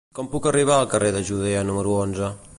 Com puc arribar al carrer de Judea número onze?